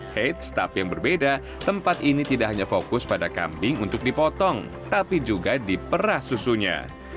heits tapi yang berbeda tempat ini tidak hanya fokus pada kambing untuk dipotong tapi juga diperah susunya